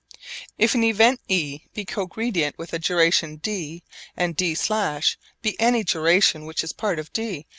If an event e be cogredient with a duration d, and d′ be any duration which is part of d.